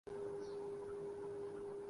Bosnia اور Herzegovina